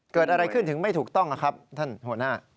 เกิดอะไรขึ้นถึงไม่ถูกต้องนะครับท่านหัวหน้า